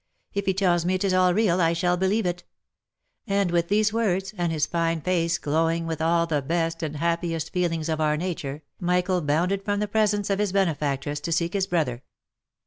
If he tells me it is all real, I shall believe it ;" and with these words, and his fine face glowing with all the best and happiest feelings of our nature, Michael bounded from the presence of his oenefactress to seek his brother.